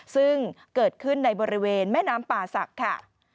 ซึ่งเกิดขึ้นในบริเวณแม่น้ำป่าศักดิ์ค่ะ